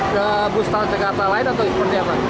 ke bus transjakarta lain atau seperti apa